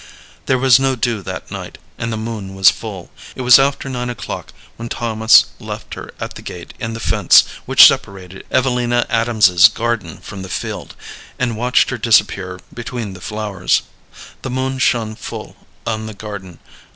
There was no dew that night, and the moon was full. It was after nine o'clock when Thomas left her at the gate in the fence which separated Evelina Adams's garden from the field, and watched her disappear between the flowers. The moon shone full on the garden.